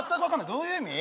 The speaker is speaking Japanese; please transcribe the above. どういう意味？